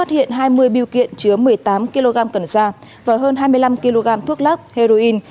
phát hiện hai mươi biêu kiện chứa một mươi tám kg cần sa và hơn hai mươi năm kg thuốc lắc heroin